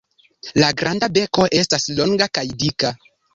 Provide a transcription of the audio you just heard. La granda beko estas longa kaj dika.